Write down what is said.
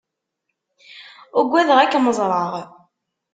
Ugadeɣ ad kem-ẓreɣ.